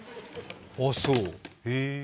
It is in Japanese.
あそう、へえ。